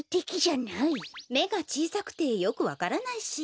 めがちいさくてよくわからないし。